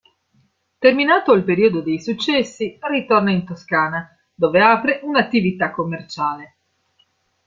Terminato il periodo dei successi, ritorna in Toscana, dove apre un'attività commerciale.